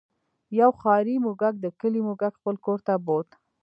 یو ښاري موږک د کلي موږک خپل کور ته بوت.